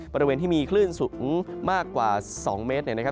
บริเวณที่มีคลื่นสูงมากกว่า๒เมตร